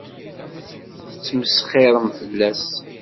Tettmesxiṛem fell-as.